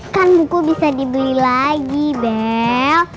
kan buku bisa dibeli lagi bel